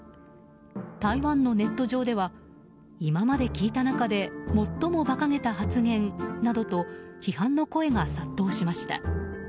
台湾のネット上では今まで聞いた中で最も馬鹿げた発言などと批判の声が殺到しました。